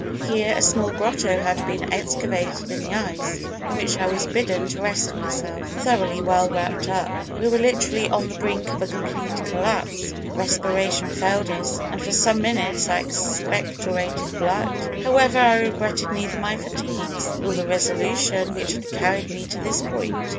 Here a small grotto had been excavated in the ice in which I was bidden to rest myself, thoroughly well wrapped up. We were literally on the brink of a complete collapse, respiration failed us, and for some minutes I expectorated blood. However, I regretted neither my fatigues, nor the resolution which had carried me to this point.